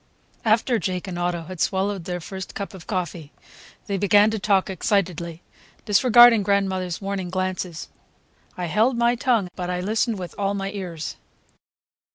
After Jake and Otto had swallowed their first cup of coffee, they began to talk excitedly, disregarding grandmother's warning glances. I held my tongue, but I listened with all my ears.